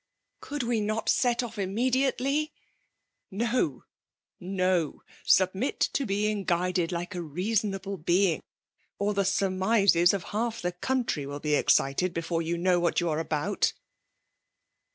. ''Could we not set off immediately ?'*" No, no ! Submit to be guided like a reason able being ; or the surmises of half the country will be excited, before you know what you are are about."